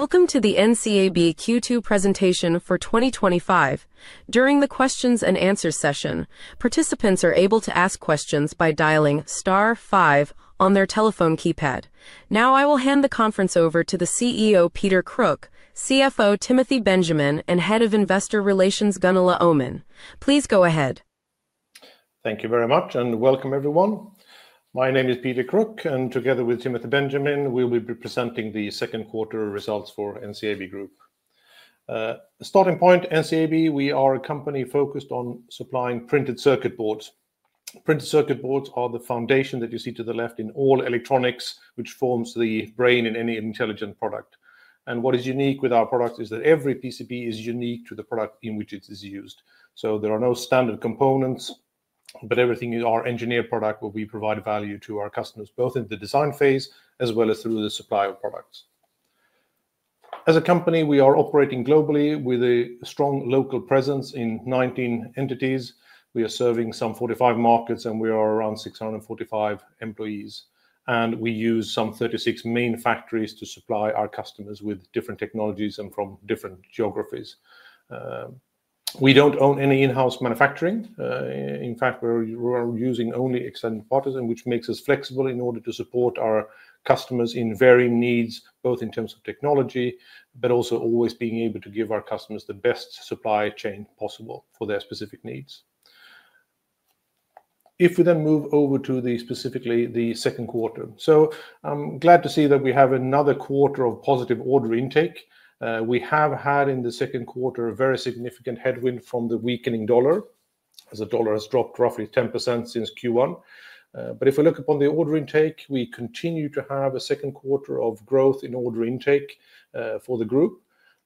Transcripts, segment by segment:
Welcome to the NCAB Q2 presentation for 2025. During the questions and answers session, participants are able to ask questions by dialing star five on their telephone keypad. Now, I will hand the conference over to the CEO, Peter Kruk, CFO, Timothy Benjamin, and Head of Investor Relations, Gunilla Öhman. Please go ahead. Thank you very much, and welcome everyone. My name is Peter Kruk, and together with Timothy Benjamin, we will be presenting the second quarter results for NCAB Group. Starting point, NCAB, we are a company focused on supplying printed circuit boards. Printed circuit boards are the foundation that you see to the left in all electronics, which forms the brain in any intelligent product. What is unique with our product is that every PCB is unique to the product in which it is used. There are no standard components, but everything is our engineered product, where we provide value to our customers, both in the design phase as well as through the supply of products. As a company, we are operating globally with a strong local presence in 19 entities. We are serving some 45 markets, and we are around 645 employees. We use some 36 main factories to supply our customers with different technologies and from different geographies. We don't own any in-house manufacturing. In fact, we are using only extended partnerships, which makes us flexible in order to support our customers in varying needs, both in terms of technology, but also always being able to give our customers the best supply chain possible for their specific needs. If we then move over to specifically the second quarter, I'm glad to see that we have another quarter of positive order intake. We have had in the second quarter a very significant headwind from the weakening dollar, as the dollar has dropped roughly 10% since Q1. If we look upon the order intake, we continue to have a second quarter of growth in order intake for the group.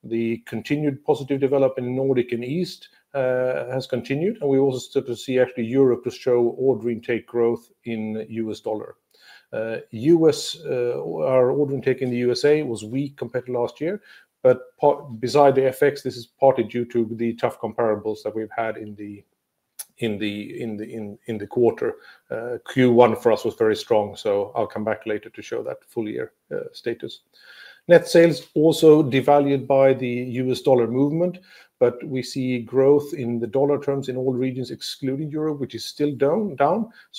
The continued positive development in the Nordic and East has continued, and we also start to see actually Europe to show order intake growth in the US dollar. Our order intake in the U.S.A. was weak compared to last year, but besides the effects, this is partly due to the tough comparables that we've had in the quarter. Q1 for us was very strong, so I'll come back later to show that full year status. Net sales also devalued by the US dollar movement, but we see growth in the dollar terms in all regions, excluding Europe, which is still down.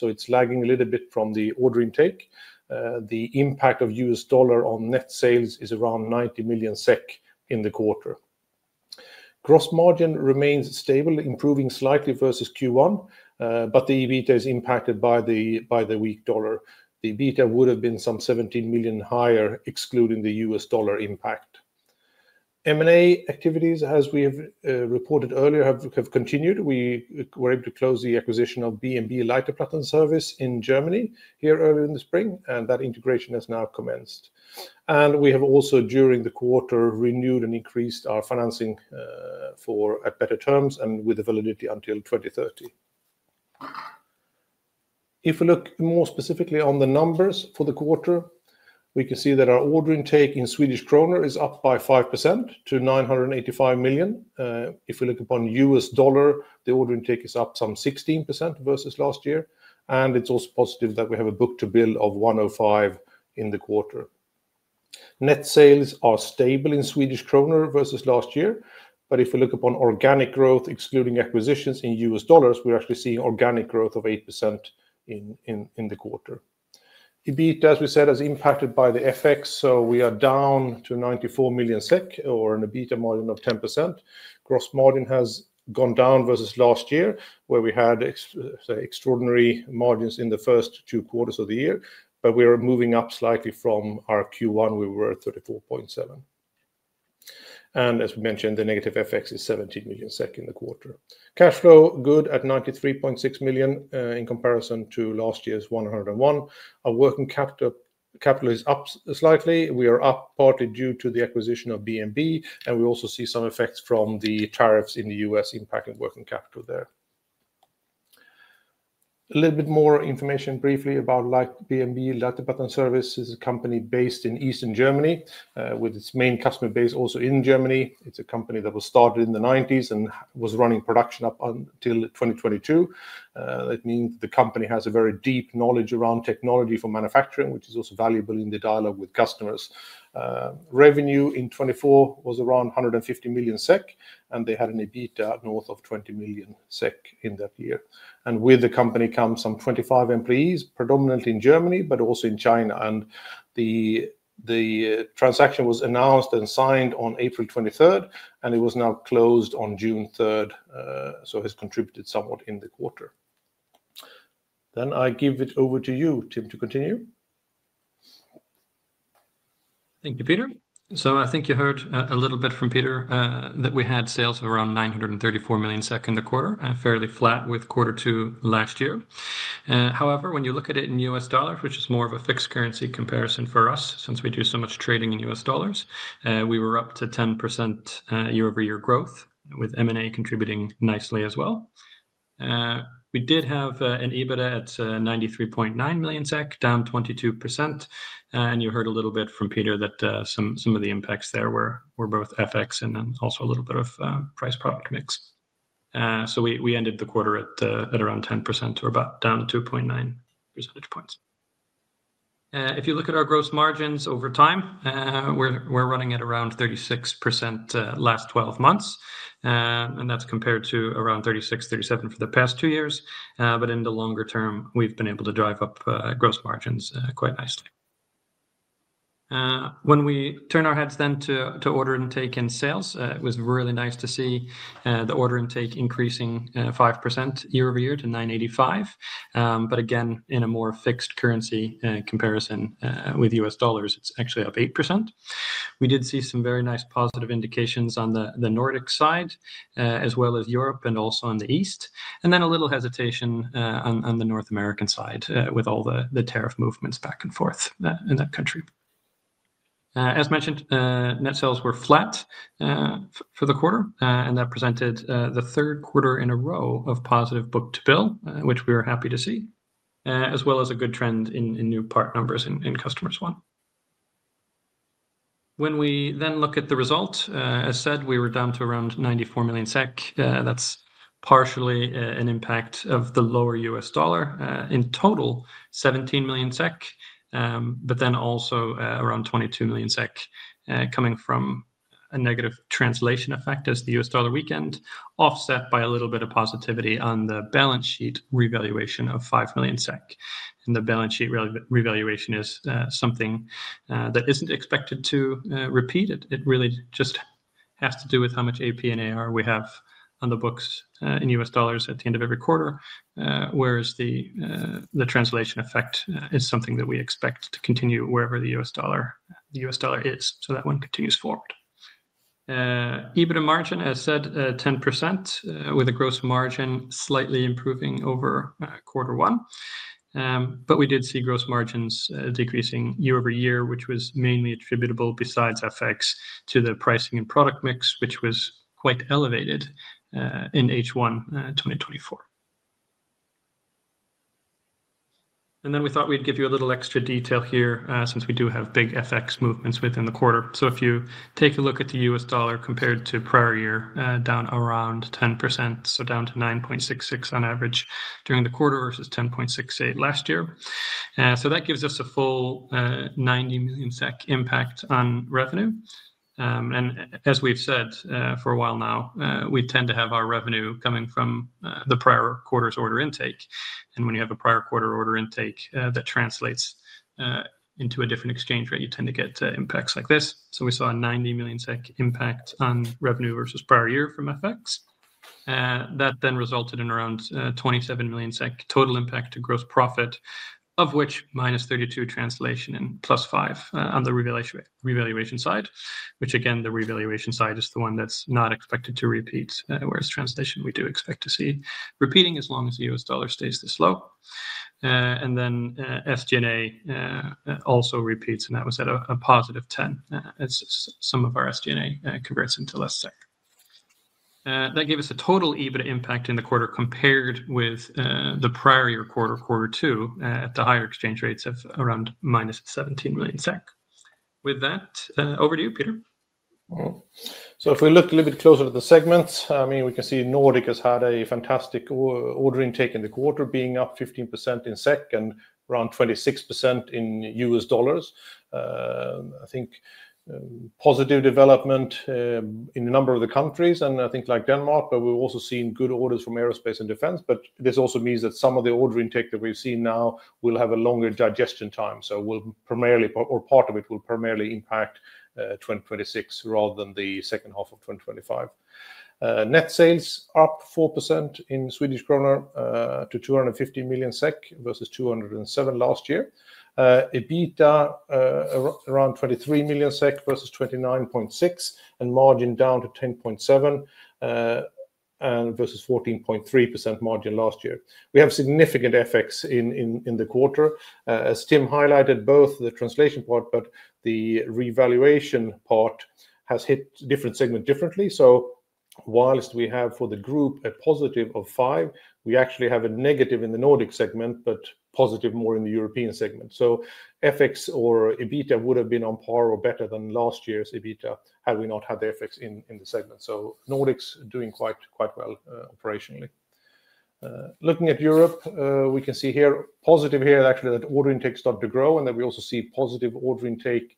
It's lagging a little bit from the order intake. The impact of US dollar on net sales is around 90 million SEK in the quarter. Gross margin remains stable, improving slightly versus Q1, but the EBITDA is impacted by the weak dollar. The EBITDA would have been some 17 million higher, excluding the US dollar impact. M&A activities, as we have reported earlier, have continued. We were able to close the acquisition of B&B Leiterplattenservice in Germany here early in the spring, and that integration has now commenced. We have also, during the quarter, renewed and increased our financing for better terms and with the validity until 2030. If we look more specifically on the numbers for the quarter, we can see that our order intake in Swedish krona is up by 5% to 985 million. If we look upon US dollar, the order intake is up some 16% versus last year, and it's also positive that we have a book-to-bill of 105% in the quarter. Net sales are stable in Swedish krona versus last year, but if we look upon organic growth, excluding acquisitions in US dollars, we're actually seeing organic growth of 8% in the quarter. EBITDA, as we said, is impacted by the FX effects, so we are down to 94 million SEK or an EBITDA margin of 10%. Gross margin has gone down versus last year, where we had extraordinary margins in the first two quarters of the year, but we are moving up slightly from our Q1, where we were at 34.7%. As we mentioned, the negative FX effects are 17 million SEK in the quarter. Cash flow is good at 93.6 million in comparison to last year's 101 million. Our working capital is up slightly. We are up partly due to the acquisition of B&B, and we also see some effects from the tariffs in the U.S. impacting working capital there. A little bit more information briefly about B&B Leiterplattenservice. It's a company based in Eastern Germany, with its main customer base also in Germany. It's a company that was started in the 1990s and was running production up until 2022. That means the company has a very deep knowledge around technology for manufacturing, which is also valuable in the dialogue with customers. Revenue in 2024 was around 150 million SEK, and they had an EBITDA north of 20 million SEK in that year. With the company comes some 25 employees, predominantly in Germany, but also in China. The transaction was announced and signed on April 23rd, and it was now closed on June 3rd, so it has contributed somewhat in the quarter. I give it over to you, Tim, to continue. Thank you, Peter. I think you heard a little bit from Peter that we had sales of around 934 million in the quarter, fairly flat with quarter two last year. However, when you look at it in US dollars, which is more of a fixed currency comparison for us, since we do so much trading in US dollars, we were up to 10% year-over-year growth, with M&A contributing nicely as well. We did have an EBITDA at 93.9 million SEK, down 22%. You heard a little bit from Peter that some of the impacts there were both FX effects and then also a little bit of price product mix. We ended the quarter at around 10%, or about down 2.9 percentage points. If you look at our gross margins over time, we're running at around 36% last 12 months. That's compared to around 36%, 37% for the past two years. In the longer term, we've been able to drive up gross margins quite nicely. When we turn our heads then to order intake and sales, it was really nice to see the order intake increasing 5% year-over-year to 985. Again, in a more fixed currency comparison with US dollars, it's actually up 8%. We did see some very nice positive indications on the Nordic side, as well as Europe and also in the East. There was a little hesitation on the North American side with all the tariff movements back and forth in that country. As mentioned, net sales were flat for the quarter, and that presented the third quarter in a row of positive book-to-bill, which we were happy to see, as well as a good trend in new part numbers in customer swap. When we then look at the results, as said, we were down to around 94 million SEK. That's partially an impact of the lower US dollar. In total, 17 million SEK, but then also around 22 million SEK coming from a negative translation effect as the US dollar weakened, offset by a little bit of positivity on the balance sheet revaluation of 5 million SEK. The balance sheet revaluation is something that isn't expected to repeat. It really just has to do with how much AP and AR we have on the books in US dollars at the end of every quarter, whereas the translation effect is something that we expect to continue wherever the US dollar is, so that one continues forward. EBITDA margin, as said, 10%, with a gross margin slightly improving over quarter one. We did see gross margins decreasing year-over-year, which was mainly attributable besides FX to the pricing and product mix, which was quite elevated in H1 2024. We thought we'd give you a little extra detail here since we do have big FX movements within the quarter. If you take a look at the US dollar compared to prior year, down around 10%, down to 9.66% on average during the quarter versus 10.68% last year. That gives us a full 90 million SEK impact on revenue. As we've said for a while now, we tend to have our revenue coming from the prior quarter's order intake. When you have a prior quarter order intake that translates into a different exchange rate, you tend to get impacts like this. We saw a 90 million SEK impact on revenue versus prior year from FX. That then resulted in around 27 million SEK total impact to gross profit, of which minus 32 translation and +5 on the revaluation side. The revaluation side is the one that's not expected to repeat, whereas translation we do expect to see repeating as long as the US dollar stays this low. SG&A also repeats, and that was at a +10 as some of our SG&A converts into less SEK. That gave us a total EBITDA impact in the quarter compared with the prior year quarter, quarter two, at the higher exchange rates of around minus 17 million SEK. With that, over to you, Peter. If we look a little bit closer at the segments, we can see Nordics has had a fantastic order intake in the quarter, being up 15% in SEK and around 26% in US dollars. Positive development in a number of the countries, like Denmark, but we've also seen good orders from aerospace and defense. This also means that some of the order intake that we've seen now will have a longer digestion time. Part of it will primarily impact 2026 rather than the second half of 2025. Net sales are up 4% in Swedish krona to 250 million SEK versus 207 million last year. EBITDA is around 23 million SEK versus 29.6 million, and margin down to 10.7% versus 14.3% margin last year. We have significant FX effects in the quarter. As Tim highlighted, both the translation part and the revaluation part have hit different segments differently. For the group, we have a positive of five, but we actually have a negative in the Nordic segment, and positive more in the European segment. EBITDA would have been on par or better than last year's EBITDA had we not had the FX effects in the segment. Nordics is doing quite well operationally. Looking at Europe, we can see here that order intake started to grow and that we also see positive order intake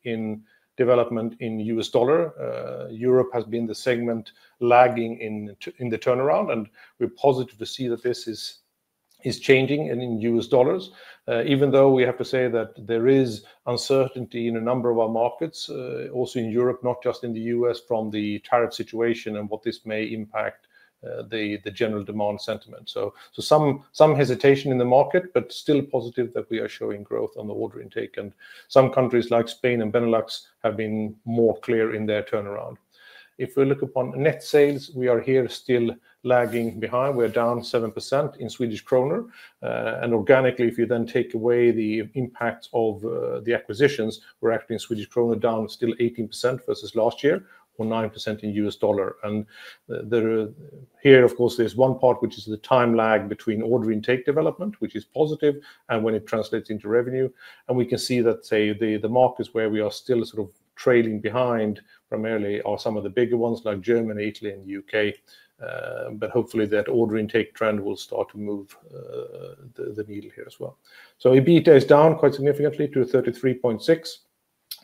development in the US dollar. Europe has been the segment lagging in the turnaround, and we're positive to see that this is changing in US dollars. There is uncertainty in a number of our markets, also in Europe, not just in the U.S., from the tariff situation and what this may impact the general demand sentiment. There is some hesitation in the market, but still positive that we are showing growth on the order intake. Some countries like Spain and Benelux have been more clear in their turnaround. If we look upon net sales, we are here still lagging behind. We're down 7% in Swedish krona. Organically, if you then take away the impact of the acquisitions, we're actually in Swedish krona down still 18% versus last year or 9% in US dollar. One part is the time lag between order intake development, which is positive, and when it translates into revenue. We can see that the markets where we are still trailing behind primarily are some of the bigger ones like Germany, Italy, and the U.K. Hopefully, that order intake trend will start to move the needle here as well. EBITDA is down quite significantly to 33.6 million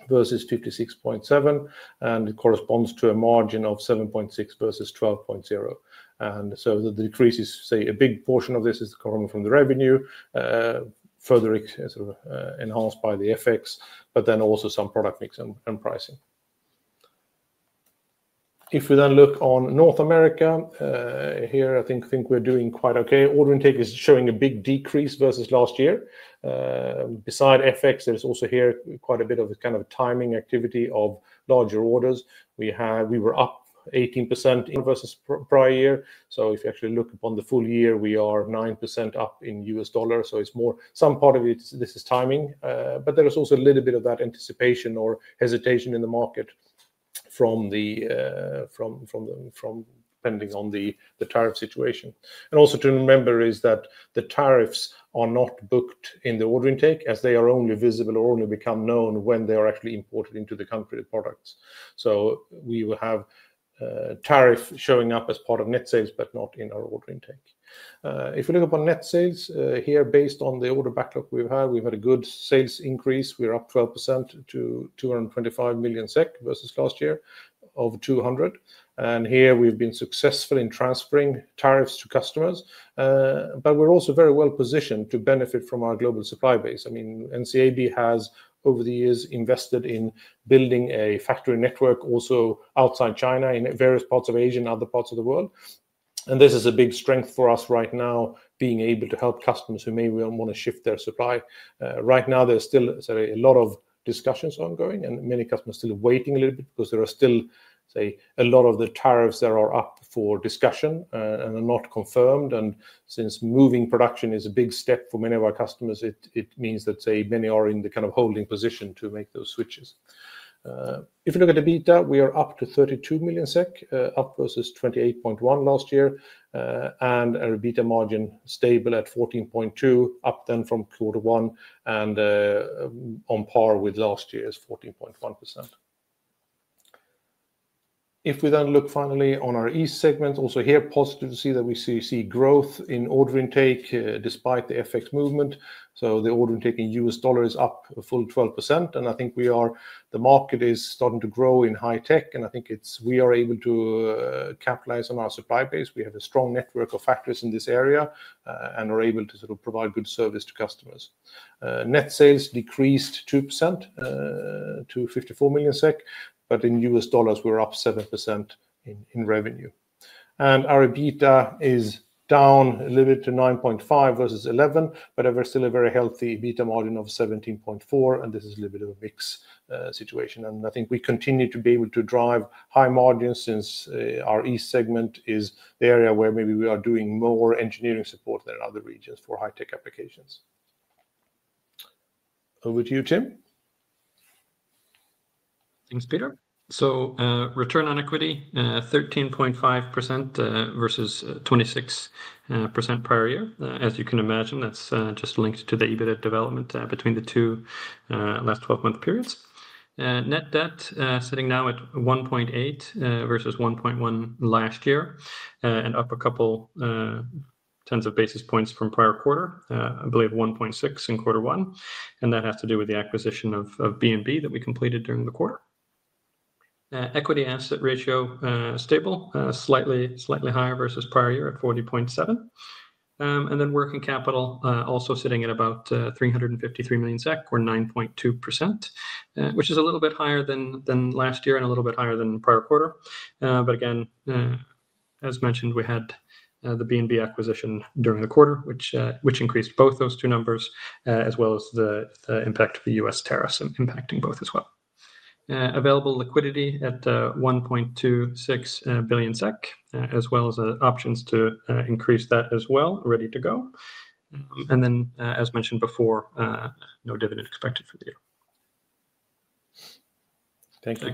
versus 56.7 million, and it corresponds to a margin of 7.6% versus 12.0%. The decreases, a big portion of this is coming from the revenue, further enhanced by the FX, but then also some product mix and pricing. If you then look on North America, here, I think we're doing quite OK. Order intake is showing a big decrease versus last year. Beside FX, there's also here quite a bit of kind of timing activity of larger orders. We were up 18% versus prior year. If you actually look on the full year, we are 9% up in US dollars. It's more, some part of it, this is timing. There is also a little bit of that anticipation or hesitation in the market from depending on the tariff situation. Also to remember is that the tariffs are not booked in the order intake, as they are only visible or only become known when they are actually imported into the country of products. We will have tariffs showing up as part of net sales, but not in our order intake. If you look upon net sales, here, based on the order backlog we've had, we've had a good sales increase. We're up 12% to 225 million SEK versus last year, over 200 million. Here, we've been successful in transferring tariffs to customers. We're also very well positioned to benefit from our global supply base. NCAB has, over the years, invested in building a factory network also outside China in various parts of Asia and other parts of the world. This is a big strength for us right now, being able to help customers who may well want to shift their supply. Right now, there's still a lot of discussions ongoing, and many customers are still waiting a little bit because there are still a lot of the tariffs that are up for discussion and are not confirmed. Since moving production is a big step for many of our customers, it means that many are in the kind of holding position to make those switches. If you look at EBITDA, we are up to 32 million SEK, up versus 28.1 million last year, and our EBITDA margin is stable at 14.2%, up then from quarter one, and on par with last year's 14.1%. If we then look finally on our East segments, also here, positive to see that we see growth in order intake despite the FX movement. The order intake in US dollars is up a full 12%. I think we are, the market is starting to grow in high tech. I think we are able to capitalize on our supply base. We have a strong network of factories in this area and are able to provide good service to customers. Net sales decreased 2% to 54 million SEK, but in US dollars, we're up 7% in revenue. Our EBITDA is down a little bit to 9.5% versus 11%, but we're still at a very healthy EBITDA margin of 17.4%. This is a little bit of a mixed situation. I think we continue to be able to drive high margins since our East segment is the area where maybe we are doing more engineering support than other regions for high-tech applications. Over to you, Tim. Thanks, Peter. Return on equity, 13.5% versus 26% prior year. As you can imagine, that's just linked to the EBITDA development between the two last 12-month periods. Net debt sitting now at 1.8 billion versus 1.1 billion last year and up a couple tens of basis points from prior quarter, I believe 1.6 billion in quarter one. That has to do with the acquisition of B&B that we completed during the quarter. Equity asset ratio stable, slightly higher versus prior year at 40.7%. Working capital also sitting at about 353 million SEK or 9.2%, which is a little bit higher than last year and a little bit higher than prior quarter. As mentioned, we had the B&B acquisition during the quarter, which increased both those two numbers, as well as the impact of the U.S. tariffs impacting both as well. Available liquidity at 1.26 billion SEK, as well as options to increase that as well, ready to go. As mentioned before, no dividend expected for the year. Thank you,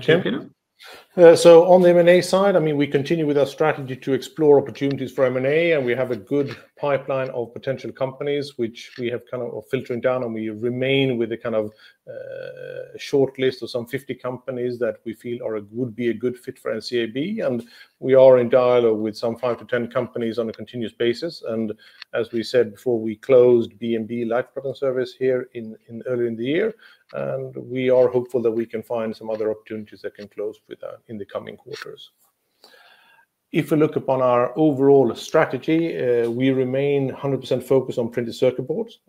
Tim. On the M&A side, we continue with our strategy to explore opportunities for M&A. We have a good pipeline of potential companies, which we have filtered down. We remain with a shortlist of some 50 companies that we feel would be a good fit for NCAB. We are in dialogue with some five to 10 companies on a continuous basis. As we said before, we closed B&B Leiterplattenservice earlier in the year. We are hopeful that we can find some other opportunities that can close in the coming quarters. If we look upon our overall strategy, we remain 100% focused on printed circuit boards.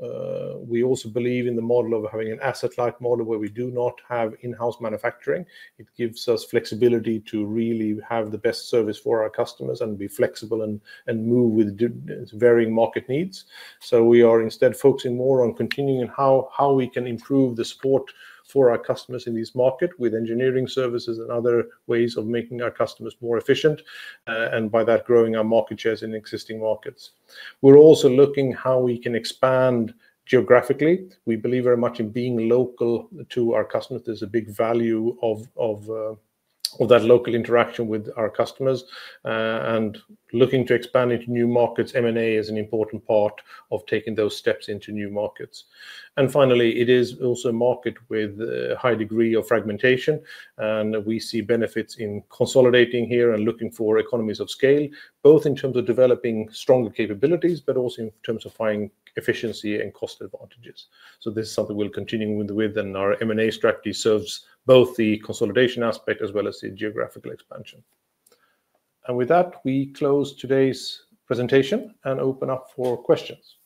We also believe in the model of having an asset-light model where we do not have in-house manufacturing. It gives us flexibility to really have the best service for our customers and be flexible and move with varying market needs. We are instead focusing more on continuing and how we can improve the support for our customers in this market with engineering services and other ways of making our customers more efficient, and by that growing our market shares in existing markets. We are also looking at how we can expand geographically. We believe very much in being local to our customers. There is a big value of that local interaction with our customers. Looking to expand into new markets, M&A is an important part of taking those steps into new markets. It is also a market with a high degree of fragmentation. We see benefits in consolidating here and looking for economies of scale, both in terms of developing stronger capabilities, but also in terms of finding efficiency and cost advantages. This is something we will continue with. Our M&A strategy serves both the consolidation aspect as well as the geographical expansion. With that, we close today's presentation and open up for questions.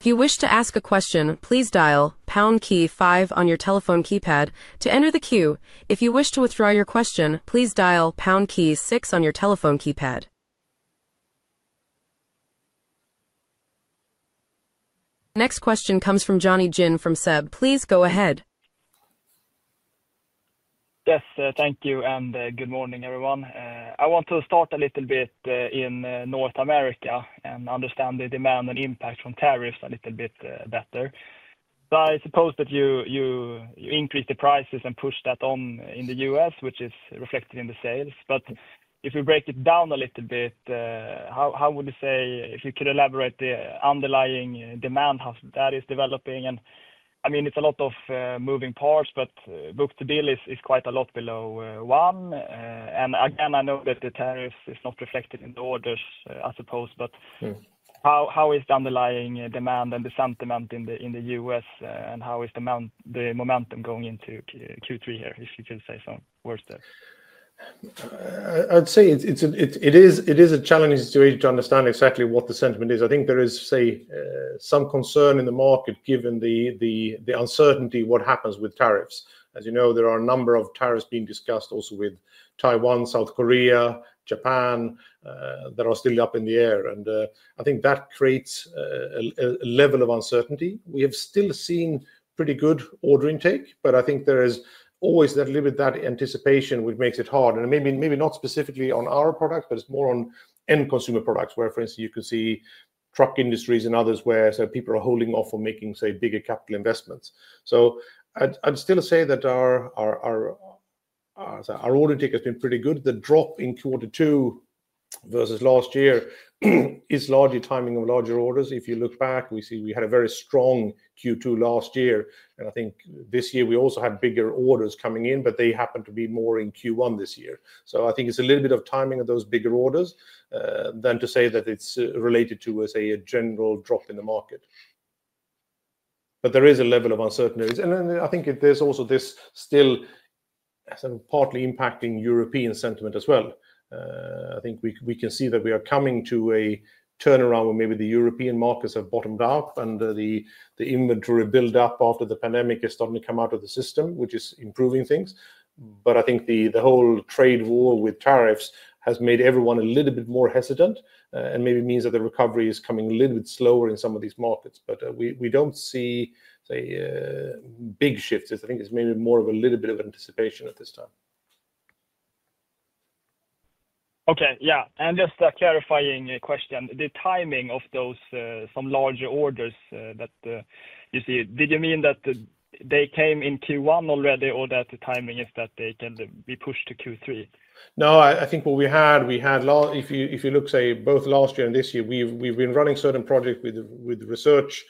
If you wish to ask a question, please dial pound key five on your telephone keypad to enter the queue. If you wish to withdraw your question, please dial pound key six on your telephone keypad. Next question comes from Jonny Jin from SEB. Please go ahead. Yes, thank you. Good morning, everyone. I want to start a little bit in North America and understand the demand and impact from tariffs a little bit better. I suppose that you increase the prices and push that on in the U.S., which is reflected in the sales. If you break it down a little bit, how would you say, if you could elaborate the underlying demand that is developing? I mean, it's a lot of moving parts, but book-to-bill is quite a lot below one. I know that the tariffs are not reflected in the orders as supposed. How is the underlying demand and the sentiment in the U.S.? How is the momentum going into Q3 here, if you could say some words there? I'd say it is a challenging situation to understand exactly what the sentiment is. I think there is, say, some concern in the market given the uncertainty of what happens with tariffs. As you know, there are a number of tariffs being discussed also with Taiwan, South Korea, Japan, that are still up in the air. I think that creates a level of uncertainty. We have still seen pretty good order intake, but I think there is always that little bit of that anticipation, which makes it hard. Maybe not specifically on our product, but it's more on end-consumer products, where, for instance, you can see truck industries and others where people are holding off or making, say, bigger capital investments. I'd still say that our order intake has been pretty good. The drop in quarter two versus last year is largely timing of larger orders. If you look back, we see we had a very strong Q2 last year. I think this year we also had bigger orders coming in, but they happened to be more in Q1 this year. I think it's a little bit of timing of those bigger orders than to say that it's related to, say, a general drop in the market. There is a level of uncertainty. I think there's also this still sort of partly impacting European sentiment as well. I think we can see that we are coming to a turnaround where maybe the European markets have bottomed up and the inventory buildup after the pandemic has suddenly come out of the system, which is improving things. I think the whole trade war with tariffs has made everyone a little bit more hesitant and maybe means that the recovery is coming a little bit slower in some of these markets. We don't see big shifts. I think it's mainly more of a little bit of anticipation at this time. OK, yeah. Just clarifying a question, the timing of those some larger orders that you see, did you mean that they came in Q1 already or that the timing is that they can be pushed to Q3? I think what we had, if you look, say, both last year and this year, we've been running certain projects with research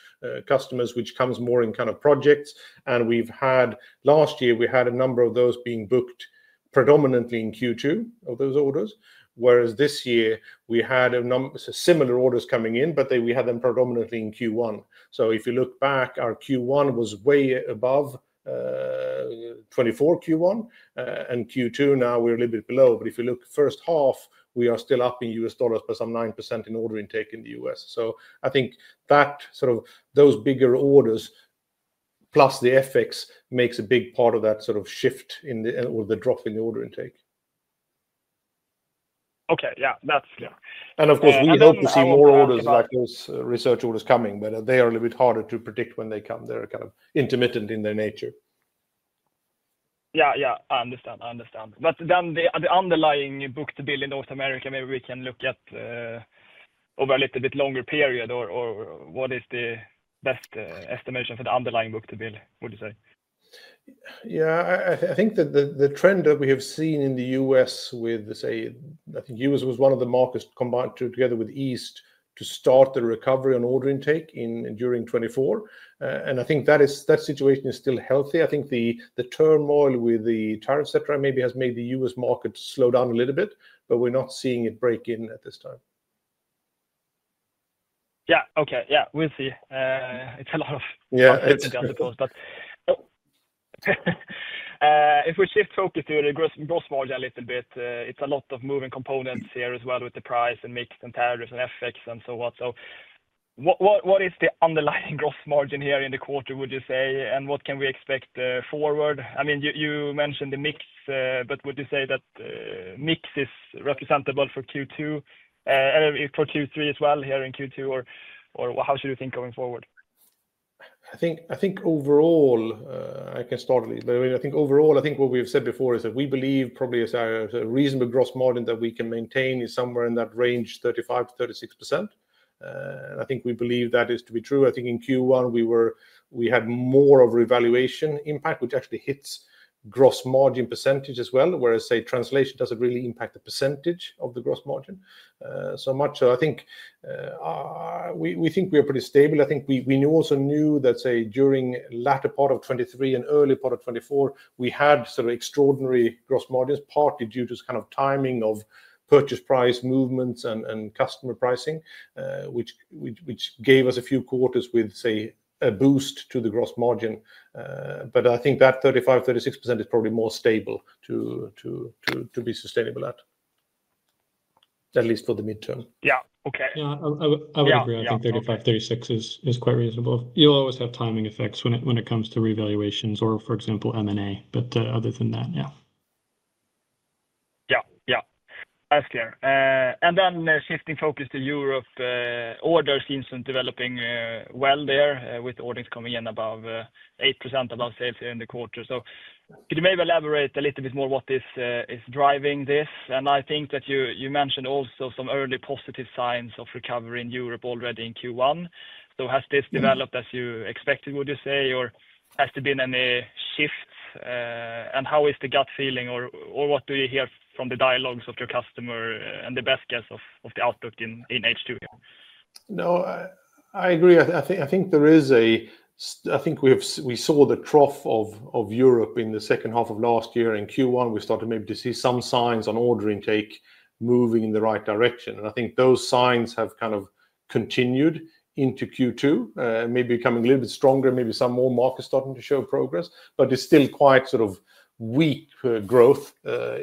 customers, which comes more in kind of projects. We've had last year, we had a number of those being booked predominantly in Q2 of those orders, whereas this year we had a number of similar orders coming in, but we had them predominantly in Q1. If you look back, our Q1 was way above Q4, Q1. Q2, now we're a little bit below. If you look, first half, we are still up in US dollars by some 9% in order intake in the U.S. I think that sort of those bigger orders plus the FX makes a big part of that sort of shift in the drop in the order intake. OK, yeah. Of course, we hope to see more orders like those research orders coming, but they are a little bit harder to predict when they come. They're kind of intermittent in their nature. I understand. I understand. The underlying book-to-bill in North America, maybe we can look at over a little bit longer period, or what is the best estimation for the underlying book-to-bill, would you say? I think that the trend that we have seen in the U.S. with, say, I think the U.S. was one of the markets combined together with the East to start the recovery on order intake during 2024. I think that situation is still healthy. I think the turmoil with the tariffs, et cetera, maybe has made the U.S. market slow down a little bit, but we're not seeing it break in at this time. OK, we'll see. It's a lot of, I suppose. If we shift focus to the gross margin a little bit, it's a lot of moving components here as well with the price and mix and tariffs and FX and so on. What is the underlying gross margin here in the quarter, would you say? What can we expect forward? You mentioned the mix, but would you say that mix is representable for Q2 and for Q3 as well here in Q2? How should you think going forward? I think overall, what we've said before is that we believe probably a reasonable gross margin that we can maintain is somewhere in that range, 35%-36%. I think we believe that is to be true. In Q1, we had more of a revaluation impact, which actually hits gross margin percentage as well, whereas, say, translation doesn't really impact the percentage of the gross margin so much. We think we are pretty stable. We also knew that, say, during the latter part of 2023 and early part of 2024, we had sort of extraordinary gross margins, partly due to kind of timing of purchase price movements and customer pricing, which gave us a few quarters with, say, a boost to the gross margin. I think that 35%-36% is probably more stable to be sustainable at, at least for the midterm. Yeah, OK. Yeah, I would agree. I think 35%-36% is quite reasonable. You always have timing effects when it comes to revaluations or, for example, M&A. Other than that, yeah. That's clear. Shifting focus to Europe, order seems to be developing well there with orders coming in above 8% of our sales here in the quarter. Could you maybe elaborate a little bit more on what is driving this? I think that you mentioned also some early positive signs of recovery in Europe already in Q1. Has this developed as you expected, would you say? Has there been any shifts? How is the gut feeling, or what do you hear from the dialogues with your customers and the best guess of the outlook in H2 here? No, I agree. I think we saw the trough of Europe in the second half of last year in Q1. We started maybe to see some signs on order intake moving in the right direction. I think those signs have kind of continued into Q2, maybe becoming a little bit stronger, maybe some more markets starting to show progress. It's still quite sort of weak growth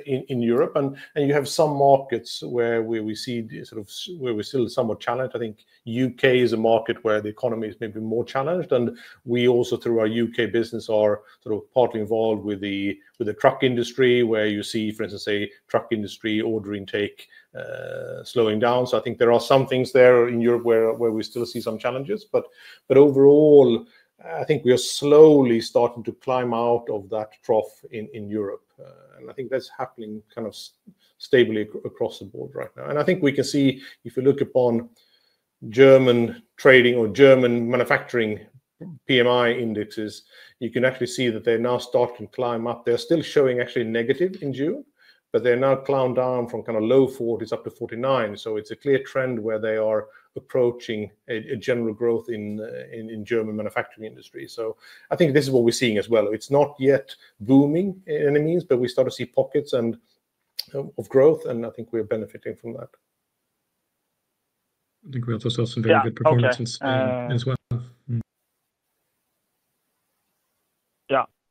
in Europe. You have some markets where we see sort of where we're still somewhat challenged. I think the U.K. is a market where the economy is maybe more challenged. We also, through our U.K. business, are sort of partly involved with the truck industry, where you see, for instance, truck industry order intake slowing down. I think there are some things there in Europe where we still see some challenges. Overall, I think we are slowly starting to climb out of that trough in Europe. I think that's happening kind of stably across the board right now. I think we can see, if you look upon German trading or German manufacturing PMI indexes, you can actually see that they're now starting to climb up. They're still showing actually negative in June, but they've now climbed down from kind of low 40s up to 49. It's a clear trend where they are approaching a general growth in German manufacturing industry. I think this is what we're seeing as well. It's not yet booming in any means, but we start to see pockets of growth. I think we're benefiting from that. I think we also saw some very good performance in Spain as well.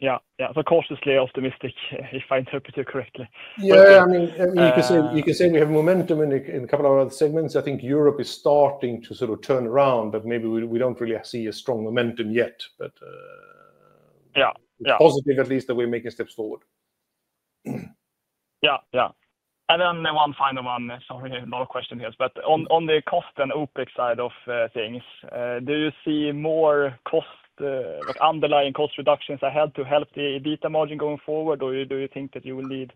Yeah, yeah, yeah. Cautiously optimistic, if I interpret it correctly. Yeah, I mean, you can say we have momentum in a couple of other segments. I think Europe is starting to sort of turn around, although we don't really see a strong momentum yet. I'm positive at least that we're making steps forward. Yeah. One final one, sorry, another question here. On the cost and OpEx side of things, do you see more cost, like underlying cost reductions ahead to help the EBITDA margin going forward? Do you think that you will need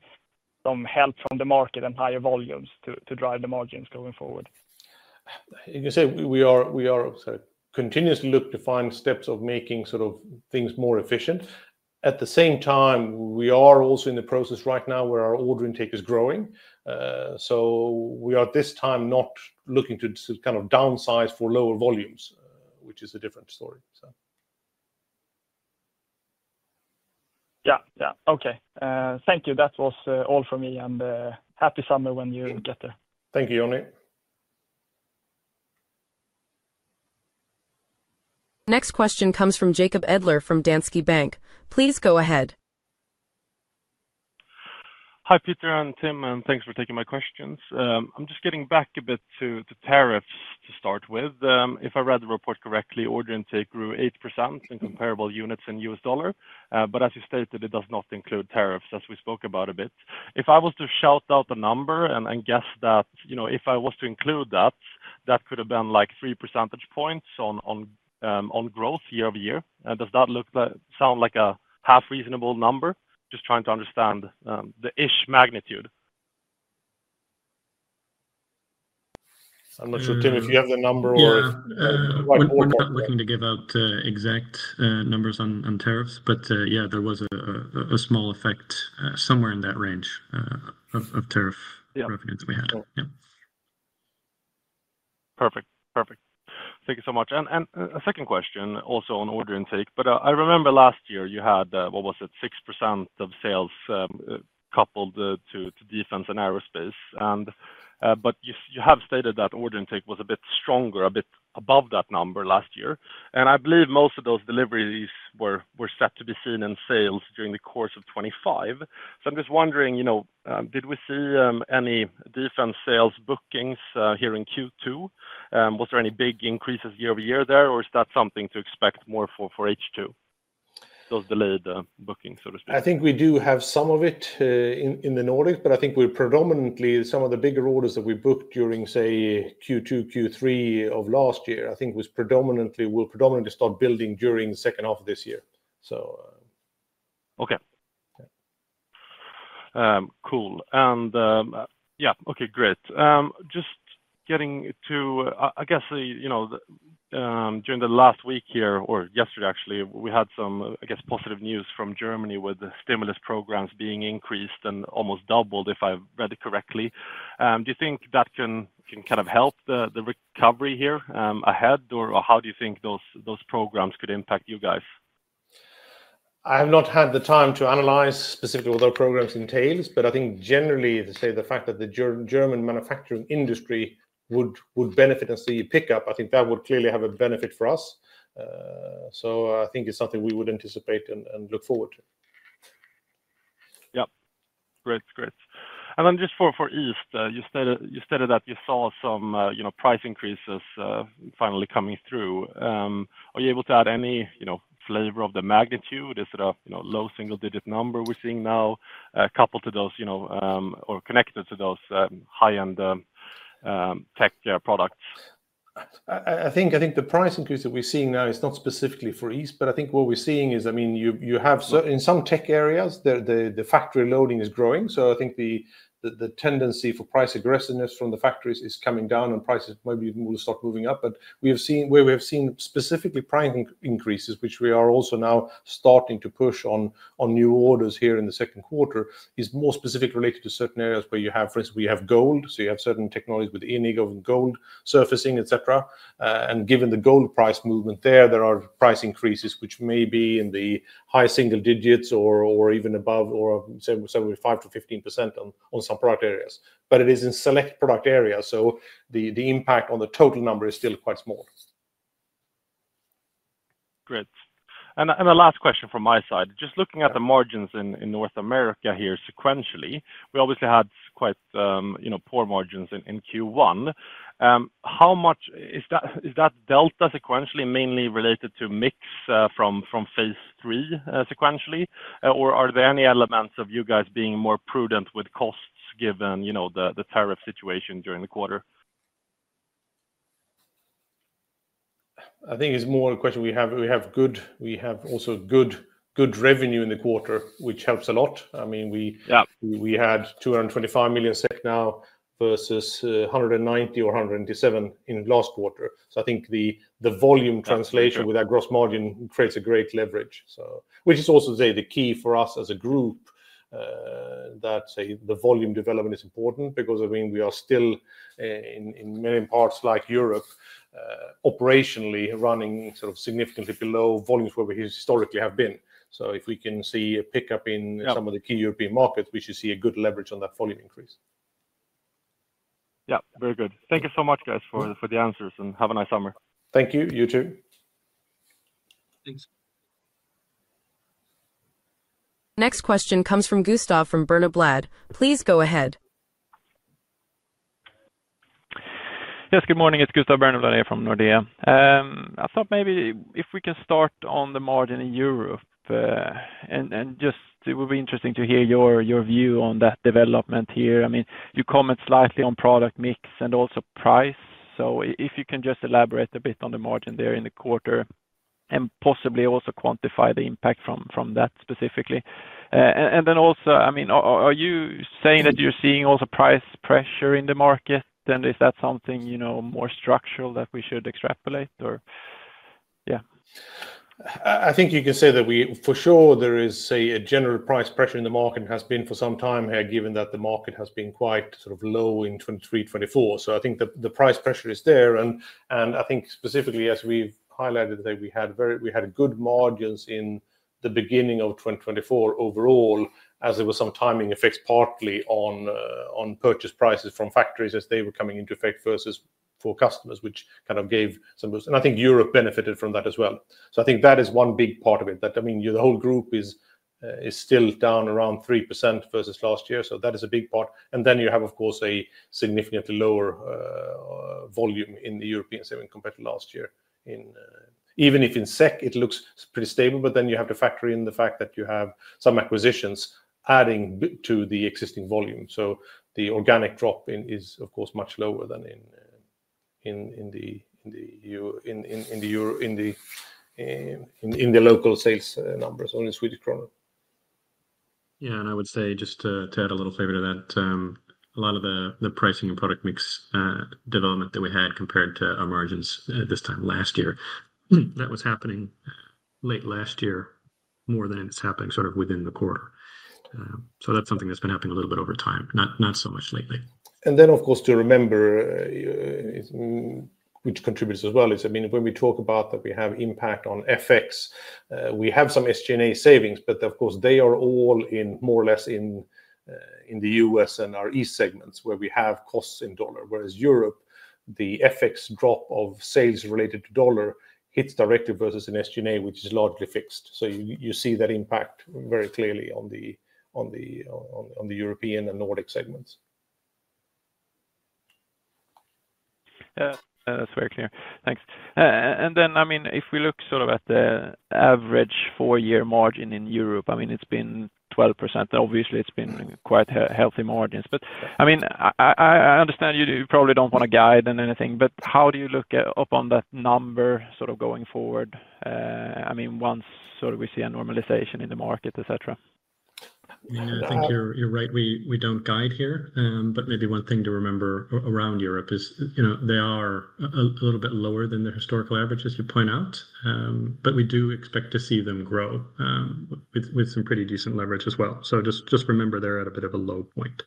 some help from the market and higher volumes to drive the margins going forward? You can say we are continuing to look to find steps of making things more efficient. At the same time, we are also in the process right now where our order intake is growing. We are at this time not looking to kind of downsize for lower volumes, which is a different story. Thank you. That was all from me. Happy summer when you get there. Thank you, Jonny. Next question comes from Jacob Edler from Danske Bank. Please go ahead. Hi, Peter and Tim, and thanks for taking my questions. I'm just getting back a bit to tariffs to start with. If I read the report correctly, order intake grew 8% in comparable units in US dollar. As you stated, it does not include tariffs, as we spoke about a bit. If I was to shout out a number and guess that, you know, if I was to include that, that could have been like 3% on growth year-over-year. Does that sound like a half-reasonable number? Just trying to understand the-ish magnitude. I'm not sure, Tim, if you have the number or. I'm not looking to give out exact numbers on tariffs. Yeah, there was a small effect somewhere in that range of tariff revenues we had. Perfect, perfect. Thank you so much. A second question also on order intake. I remember last year you had, what was it, 6% of sales coupled to defense and aerospace. You have stated that order intake was a bit stronger, a bit above that number last year. I believe most of those deliveries were set to be seen in sales during the course of 2025. I'm just wondering, you know, did we see any defense sales bookings here in Q2? Was there any big increases year over year there? Is that something to expect more for H2? Those delayed bookings, so to speak. I think we do have some of it in the Nordics, but I think we're predominantly, some of the bigger orders that we booked during, say, Q2, Q3 of last year, I think we'll predominantly start building during the second half of this year. OK. Cool. OK, great. Just getting to, I guess, during the last week here, or yesterday actually, we had some positive news from Germany with stimulus programs being increased and almost doubled, if I read it correctly. Do you think that can kind of help the recovery here ahead? How do you think those programs could impact you guys? I have not had the time to analyze specifically what those programs entail. I think generally, the fact that the German manufacturing industry would benefit and see a pickup, I think that would clearly have a benefit for us. I think it's something we would anticipate and look forward to. Yeah, great, great. Just for East, you stated that you saw some price increases finally coming through. Are you able to add any flavor of the magnitude? Is it a low single-digit number we're seeing now, coupled to those, or connected to those high-end tech products? I think the price increase that we're seeing now is not specifically for East. What we're seeing is, in some tech areas, the factory loading is growing. I think the tendency for price aggressiveness from the factories is coming down, and prices maybe will start moving up. Where we have seen specifically price increases, which we are also now starting to push on new orders here in the second quarter, is more specifically related to certain areas where you have, for instance, gold. You have certain technologies with gold surfacing, et cetera. Given the gold price movement there, there are price increases which may be in the high single digits or even above, or 5%-15% on some product areas. It is in select product areas, so the impact on the total number is still quite small. Great. A last question from my side. Just looking at the margins in North America here sequentially, we obviously had quite poor margins in Q1. How much is that delta sequentially mainly related to mix from phase III sequentially? Are there any elements of you guys being more prudent with costs given the tariff situation during the quarter? I think it's more a question we have good, we have also good revenue in the quarter, which helps a lot. We had 225 million SEK now versus 190 million-197 million in last quarter. I think the volume translation with that gross margin creates a great leverage, which is also the key for us as a group. The volume development is important because, I mean, we are still in many parts like Europe operationally running significantly below volumes where we historically have been. If we can see a pickup in some of the key European markets, we should see a good leverage on that volume increase. Yeah, very good. Thank you so much, guys, for the answers. Have a nice summer. Thank you. You too. Next question comes from Gustav from Berneblad. Please go ahead. Yes, good morning. It's Gustav Berneblad here from Nordea. I thought maybe if we can start on the margin in Europe, it would be interesting to hear your view on that development here. I mean, you comment slightly on product mix and also price. If you can just elaborate a bit on the margin there in the quarter and possibly also quantify the impact from that specifically. Also, I mean, are you saying that you're seeing also price pressure in the market? Is that something more structural that we should extrapolate? Or yeah. I think you can say that for sure there is a general price pressure in the market and has been for some time here, given that the market has been quite sort of low in 2023, 2024. I think the price pressure is there. I think specifically, as we've highlighted today, we had good margins in the beginning of 2024 overall, as there were some timing effects partly on purchase prices from factories as they were coming into effect versus for customers, which kind of gave some of those. I think Europe benefited from that as well. I think that is one big part of it. The whole group is still down around 3% versus last year. That is a big part. You have, of course, a significantly lower volume in the European segment compared to last year. Even if in SEK, it looks pretty stable, you have to factor in the fact that you have some acquisitions adding to the existing volume. The organic drop is, of course, much lower than in the local sales numbers only in Swedish krona. I would say just to add a little flavor to that, a lot of the pricing and product mix development that we had compared to our margins this time last year, that was happening late last year more than it's happening sort of within the quarter. That's something that's been happening a little bit over time, not so much lately. Of course, to remember, which contributes as well, is I mean, when we talk about that we have impact on FX, we have some SG&A savings, but of course, they are all more or less in the U.S. and our East segments where we have costs in dollar. Whereas Europe, the FX drop of sales related to dollar hits directly versus an SG&A, which is largely fixed. You see that impact very clearly on the European and Nordic segments. That's very clear. Thanks. If we look at the average four-year margin in Europe, it's been 12%. Obviously, it's been quite healthy margins. I understand you probably don't want to guide in anything, but how do you look upon that number going forward? Once we see a normalization in the market, et cetera. I think you're right. We don't guide here. Maybe one thing to remember around Europe is, you know, they are a little bit lower than the historical average, as you point out. We do expect to see them grow with some pretty decent leverage as well. Just remember they're at a bit of a low point.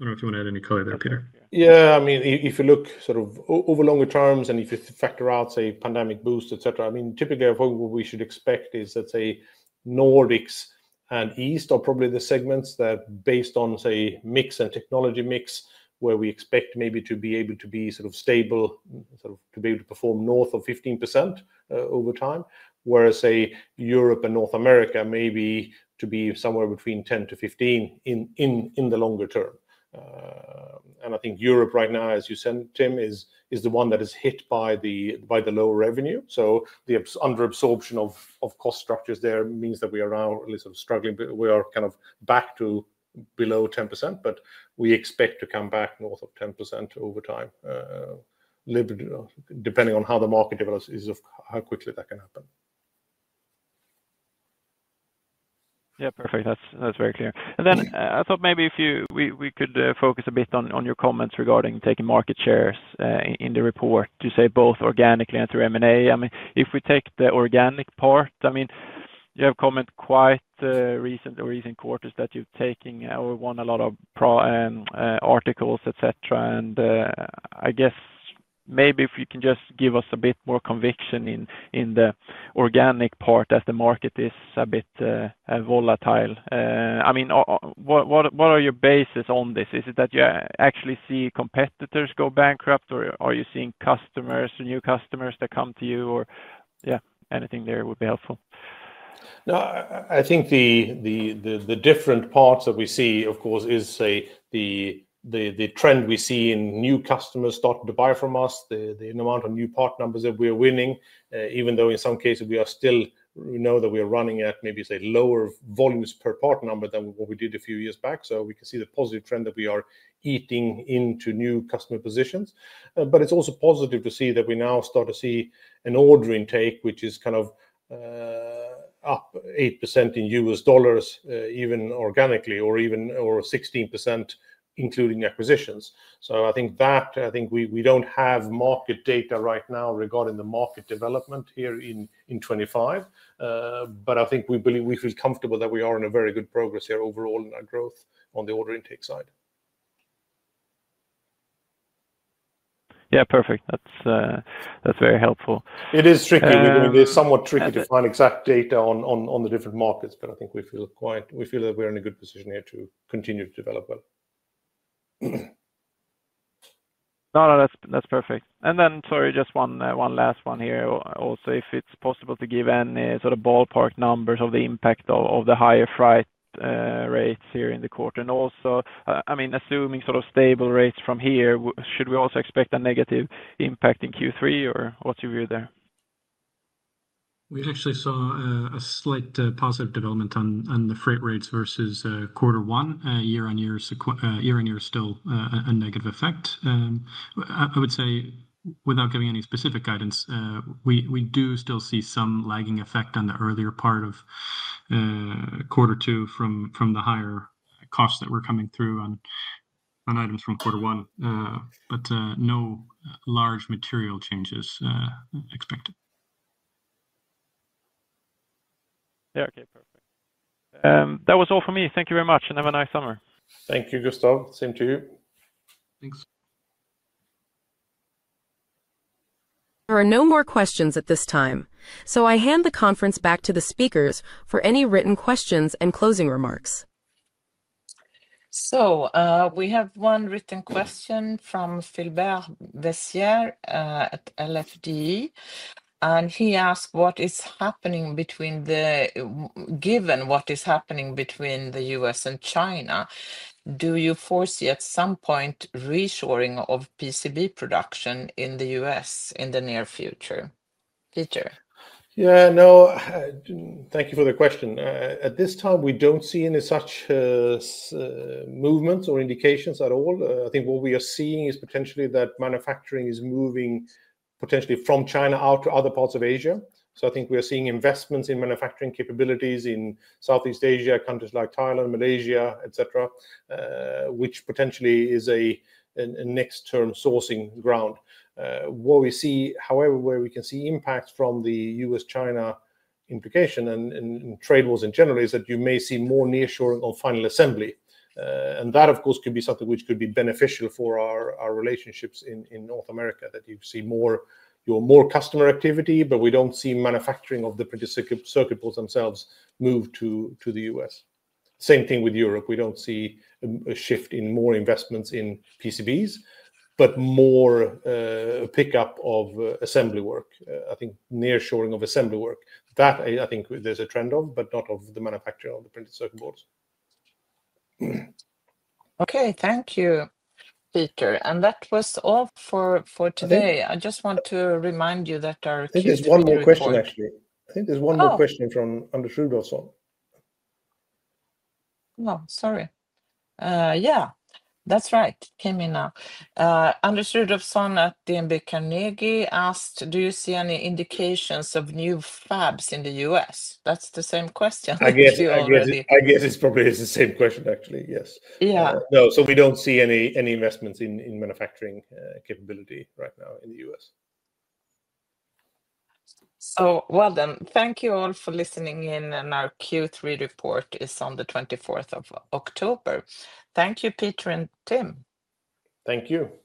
I don't know if you want to add any color there, Peter. Yeah, I mean, if you look sort of over longer terms and if you factor out, say, pandemic boost, et cetera, I mean, typically I think what we should expect is that, say, Nordics and East are probably the segments that, based on, say, mix and technology mix, where we expect maybe to be able to be sort of stable, sort of to be able to perform north of 15% over time, whereas, say, Europe and North America may be to be somewhere between 10% to 15% in the longer term. I think Europe right now, as you said, Tim, is the one that is hit by the low revenue. The underabsorption of cost structures there means that we are now struggling. We are kind of back to below 10%. We expect to come back north of 10% over time, depending on how the market develops and how quickly that can happen. Yeah, perfect. That's very clear. I thought maybe if we could focus a bit on your comments regarding taking market shares in the report, you say both organically and through M&A. If we take the organic part, you have commented quite recent or recent quarters that you're taking or won a lot of articles, et cetera. I guess maybe if you can just give us a bit more conviction in the organic part as the market is a bit volatile. What are your bases on this? Is it that you actually see competitors go bankrupt? Are you seeing customers or new customers that come to you? Anything there would be helpful. No, I think the different parts that we see, of course, is, say, the trend we see in new customers starting to buy from us, the amount of new part numbers that we are winning, even though in some cases we are still, we know that we are running at maybe, say, lower volumes per part number than what we did a few years back. We can see the positive trend that we are eating into new customer positions. It's also positive to see that we now start to see an order intake, which is kind of up 8% in US dollars, even organically, or even 16%, including acquisitions. I think that we don't have market data right now regarding the market development here in 2025. I think we believe we feel comfortable that we are in a very good progress here overall in our growth on the order intake side. Yeah, perfect. That's very helpful. It is somewhat tricky to find exact data on the different markets. I think we feel that we're in a good position here to continue to develop well. No, that's perfect. Sorry, just one last one here. Also, if it's possible to give any sort of ballpark numbers of the impact of the higher freight rates here in the quarter. Also, assuming sort of stable rates from here, should we also expect a negative impact in Q3? What's your view there? We actually saw a slight positive development on the freight rates versus quarter one. Year-on-year is still a negative effect. I would say, without giving any specific guidance, we do still see some lagging effect on the earlier part of quarter two from the higher costs that were coming through on items from quarter one. No large material changes expected. OK, perfect. That was all for me. Thank you very much. Have a nice summer. Thank you, Gustav. Same to you. Thanks. There are no more questions at this time. I hand the conference back to the speakers for any written questions and closing remarks. We have one written question from Philbert Wessier at LFDE. He asked what is happening between the, given what is happening between the U.S. and China, do you foresee at some point reshoring of PCB production in the U.S. in the near future? Peter? Thank you for the question. At this time, we don't see any such movements or indications at all. I think what we are seeing is potentially that manufacturing is moving potentially from China out to other parts of Asia. I think we are seeing investments in manufacturing capabilities in Southeast Asia, countries like Thailand, Malaysia, et cetera, which potentially is a next-term sourcing ground. What we see, however, where we can see impacts from the U.S.-China implication and trade wars in general is that you may see more nearshoring on final assembly. That, of course, could be something which could be beneficial for our relationships in North America, that you see more customer activity, but we don't see manufacturing of the printed circuit boards themselves move to the U.S. Same thing with Europe. We don't see a shift in more investments in PCBs, but more pickup of assembly work. I think nearshoring of assembly work, that I think there's a trend of, but not of the manufacturing of the printed circuit boards. OK, thank you, Peter. That was all for today. I just want to remind you that our Q3. I think there's one more question, actually. I think there's one more question from Anders Rudolfsson. Oh, sorry. Yeah, that's right. Came in now. Anders Rudolfsson at DNB Carnegie asked, do you see any indications of new fabs in the US? That's the same question. I guess it's probably the same question, actually. Yes. Yeah. We don't see any investments in manufacturing capability right now in the US. Thank you all for listening in. Our Q3 report is on the 24th of October. Thank you, Peter and Tim. Thank you.